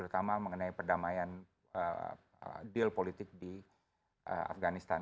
terutama mengenai perdamaian deal politik di afganistan